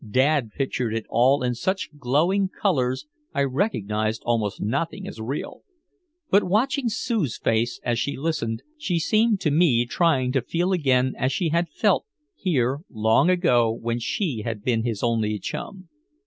Dad pictured it all in such glowing colors I recognized almost nothing as real. But watching Sue's face as she listened, she seemed to me trying to feel again as she had felt here long ago when she had been his only chum.